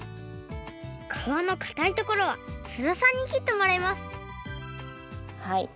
皮のかたいところは津田さんにきってもらいますはい。